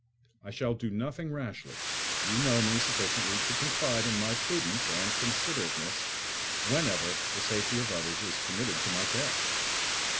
I shall do nothing rashly: you know me sufficiently to confide in my prudence and considerateness whenever the safety of others is committed to my care.